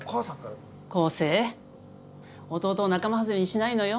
「昴生弟を仲間外れにしないのよ」